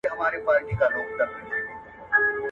جانانه څوک ستا د زړه ورو قدر څه پیژني